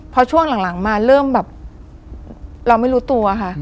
พอช่วงหลังมาเริ่มแบบเราไม่รู้ตัวค่ะ